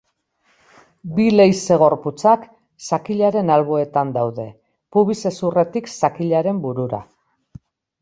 Bi leize-gorputzak zakilaren alboetan daude, pubis-hezurretik zakilaren burura.